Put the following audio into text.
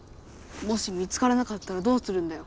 もし見つからなかったらどうするんだよ。